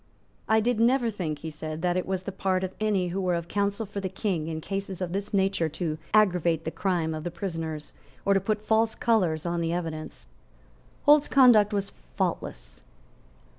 "I did never think," he said, "that it was the part of any who were of counsel for the King in cases of this nature to aggravate the crime of the prisoners, or to put false colours on the evidence." Holt's conduct was faultless.